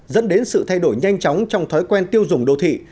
dẫn đến sự thay đổi nhanh chóng trong thói quen tiêu dùng đô thị